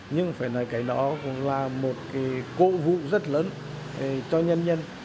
nhưng phải nói cái đó cũng là một cố vụ rất lớn cho nhân dân